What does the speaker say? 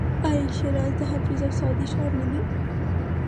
آیا شیراز د حافظ او سعدي ښار نه دی؟